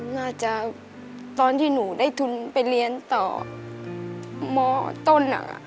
น่าจะตอนที่หนูได้ทุนไปเรียนต่อมต้น